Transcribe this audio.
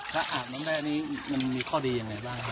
ถ้าอาบน้ำแร่นี้มันมีข้อดียังไงบ้างครับ